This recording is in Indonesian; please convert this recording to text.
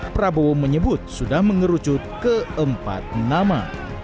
prabowo menyebut sudah mengerucut keempat nama